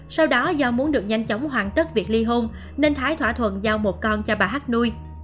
sau đó do muốn được nhanh chóng hoàn tất việc ly hôn nên thái thỏa thuận giao một con cho bà hát nuôi